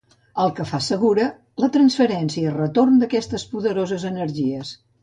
El que fa segura la transferència i retorn d'aquestes poderoses energies.